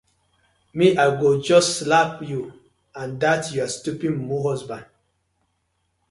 Mi I go just slap yu and dat yur stupid mumu husband.